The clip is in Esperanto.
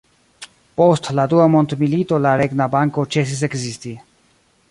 Post la dua mondmilito la Regna Banko ĉesis ekzisti.